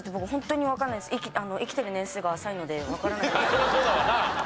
そりゃそうだわな。